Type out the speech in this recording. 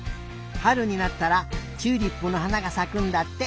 はるになったらチューリップのはながさくんだって。